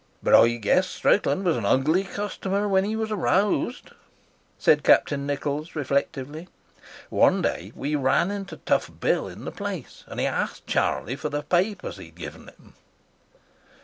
"But I guess Strickland was an ugly customer when he was roused," said Captain Nichols, reflectively. "One day we ran into Tough Bill in the Place, and he asked Charlie for the papers he'd given him."